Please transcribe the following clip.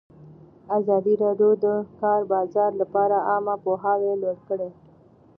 ازادي راډیو د د کار بازار لپاره عامه پوهاوي لوړ کړی.